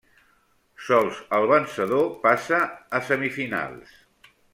Sols el vencedor passa a semifinals.